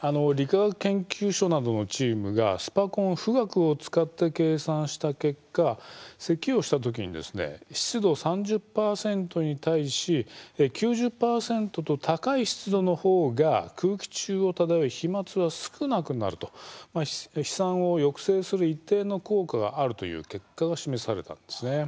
理化学研究所などのチームがスパコン富岳を使って計算した結果せきをしたときに湿度３０％に対し９０％と、高い湿度のほうが空気中を漂う飛まつは少なくなると飛散を抑制する一定の効果があるという結果が示されたんですね。